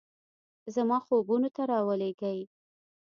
زما خوبونو ته راولیږئ